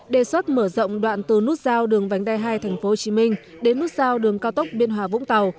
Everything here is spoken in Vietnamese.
đề xuất mở rộng đoạn từ nút giao đường vánh đai hai tp hcm đến nút giao đường cao tốc biên hòa vũng tàu